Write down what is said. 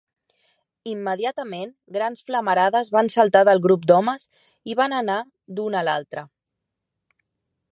Immediatament, grans flamarades van saltar del grup d"homes i van anar d"un a l"altre.